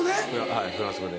はいフランス語で。